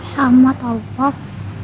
sama tau pak